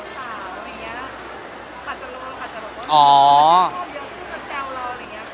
ถ่ายแบบว่าเป็นที่แบบมีเจ้าอะไรอย่างเนี้ย